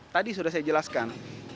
tadi sudah saya jelaskan